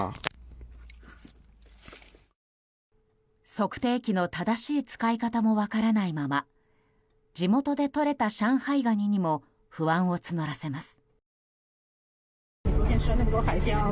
測定器の正しい使い方も分からないまま地元でとれた上海ガニにも不安を募らせます。